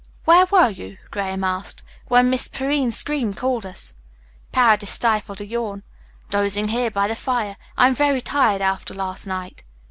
"Where were you?" Graham asked, "when Miss Perrine's scream called us?" Paredes stifled a yawn. "Dozing here by the fire. I am very tired after last night."